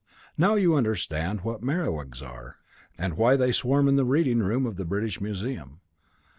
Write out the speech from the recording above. Now you understand what Merewigs are, and why they swarm in the reading room of the British Museum.